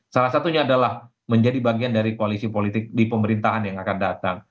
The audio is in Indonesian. salah satunya adalah menjadi bagian dari koalisi politik di pemerintahan yang akan datang